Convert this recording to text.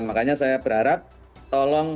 makanya saya berharap tolong